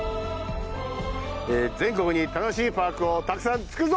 全国に楽しいパークをたくさん作るぞ！